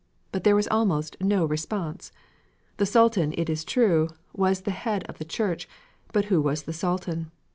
But there was almost no response. The Sultan, it is true, was the head of the Church, but who was the Sultan?